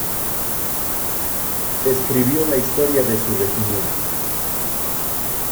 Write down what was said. Escribió la historia de su regimiento.